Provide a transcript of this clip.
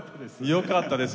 よかったです。